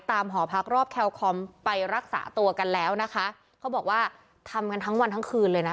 หอพักรอบแคลคอมไปรักษาตัวกันแล้วนะคะเขาบอกว่าทำกันทั้งวันทั้งคืนเลยนะ